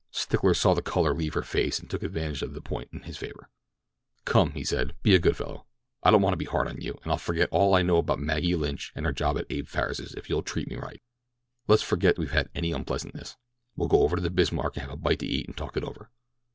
Stickler saw the color leave her face and took advantage of the point in his favor. "Come," he said, "be a good fellow. I don't want to be hard on you, and I'll forget all I know about Maggie Lynch and her job at Abe Farris's if you'll treat me right. Let's forget we've had any unpleasantness. We'll go over to the Bismark and have a bite to eat and talk it over.